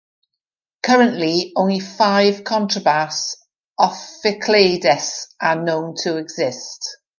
Currently, only five contrabass ophicleides are known to exist.